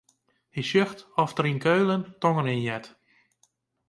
Hy sjocht oft er it yn Keulen tongerjen heart.